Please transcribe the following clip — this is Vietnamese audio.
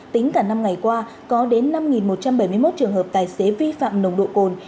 tính cả năm ngày qua có đến năm một trăm bảy mươi một trường hợp tài xế vi phạm nồng độ cồn